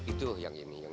itu yang ini